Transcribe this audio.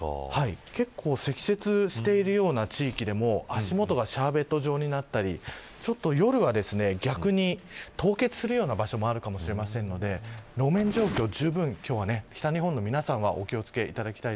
積雪しているような地域でも足元がシャーベット状になったり夜は逆に凍結するような場所もあるかもしれませんので路面状況、今日はじゅうぶん注意してください。